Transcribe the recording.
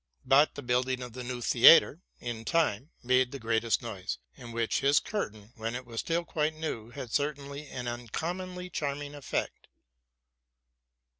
But the building of the new theatre, in my time, made the greatest noise; in which his curtain, when it was still quite new, had certainly an uncommonly charming effect.